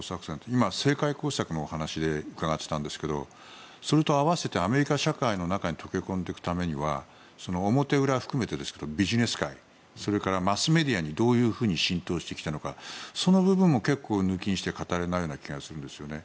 今、政界工作のお話で伺ってたんですけどそれと合わせてアメリカ社会に溶け込んでいくためには表裏含めてですがビジネス界それからマスメディアにどういうふうに浸透してきたのかその部分も結構、抜きにしては語れない気がするんですよね。